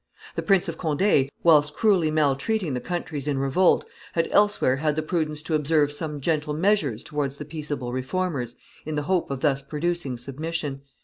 The Prince of Conde, whilst cruelly maltreating the countries in revolt, had elsewhere had the prudence to observe some gentle measures towards the peaceable Reformers in the hope of thus producing submission.